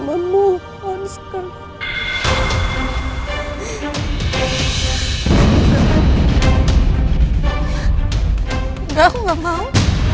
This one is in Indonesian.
enggak aku gak mau